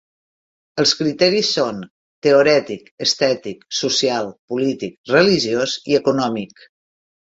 Els criteris són: teorètic, estètic, social, polític, religiós i econòmic.